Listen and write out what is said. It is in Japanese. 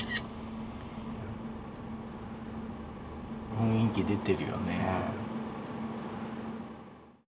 雰囲気出てるよね。